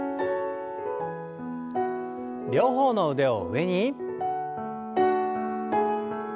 両方の腕を上に。